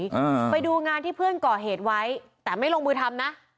อ่าไปดูงานที่เพื่อนก่อเหตุไว้แต่ไม่ลงมือทำนะ